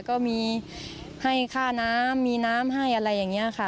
ก็มีให้ค่าน้ำมีน้ำให้อะไรอย่างนี้ค่ะ